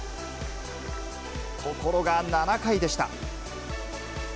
ところが７回でした。